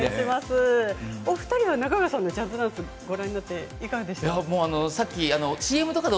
お二人は中川さんのジャズダンスご覧になっていかがでしたか。